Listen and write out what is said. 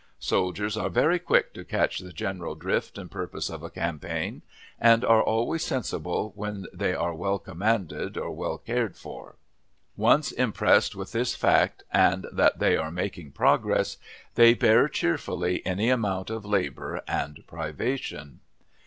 Soldiers are very quick to catch the general drift and purpose of a campaign, and are always sensible when they are well commanded or well cared for. Once impressed with this fact, and that they are making progress, they bear cheerfully any amount of labor and privation.